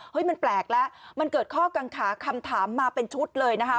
มันแปลกแล้วมันเกิดข้อกังขาคำถามมาเป็นชุดเลยนะคะ